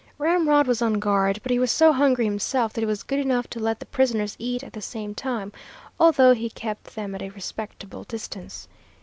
Ramrod was on guard, but he was so hungry himself that he was good enough to let the prisoners eat at the same time, although he kept them at a respectable distance.